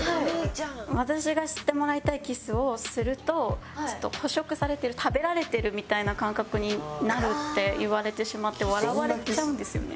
私がしてもらいたいキスをするとちょっと捕食されてる食べられてるみたいな感覚になるって言われてしまって笑われちゃうんですよね。